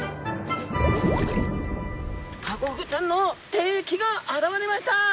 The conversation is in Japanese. ハコフグちゃんの敵が現れました。